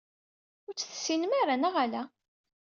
Ur tt-tessinem ara, neɣ ala?